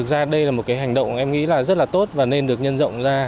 các đây là một cái hành động em nghĩ là rất là tốt và nên được nhân rộng ra